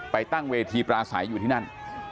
ไปตั้งเวทีปลาใสอยู่ที่นั่น